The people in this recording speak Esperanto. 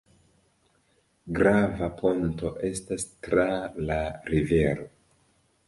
Grava ponto estas tra la rivero.